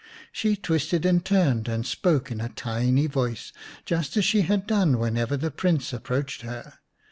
She twisted and turned, and spoke in a tiny voice, just as she had done whenever the Prince approached her.